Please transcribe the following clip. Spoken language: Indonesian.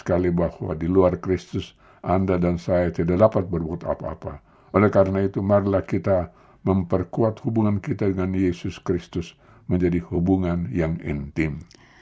oleh karena itu marilah kita memperkuat hubungan kita dengan yesus kristus menjadi hubungan yang intim